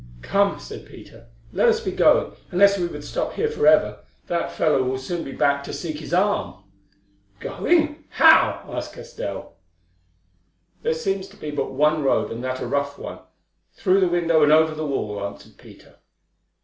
"Come," said Peter, "let us be going, unless we would stop here for ever. That fellow will soon be back to seek his arm." "Going! How?" asked Castell. "There seems to be but one road, and that a rough one, through the window and over the wall," answered Peter.